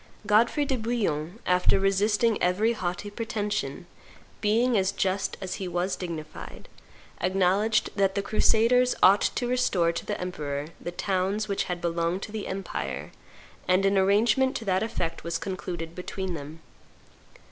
Godfrey do Bouillon, after resisting every haughty pretension, being as just as he was dignified, acknowledged that the crusaders ought to restore to the emperor the towns which had belonged to the empire, and an arrangement to that effect was concluded between them.